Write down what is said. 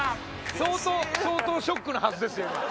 相当ショックなはずですよ